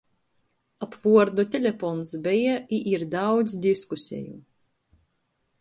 Ap vuordu telepons beja i ir daudz diskuseju.